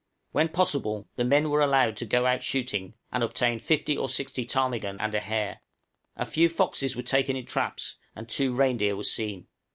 When possible the men were allowed to go out shooting, and obtain fifty or sixty ptarmigan and a hare; a few foxes were taken in traps, and two reindeer were seen.